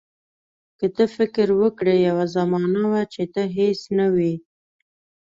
که ته فکر وکړې یوه زمانه وه چې ته هیڅ نه وې.